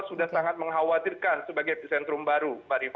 sudah sangat mengkhawatirkan sebagai epicentrum baru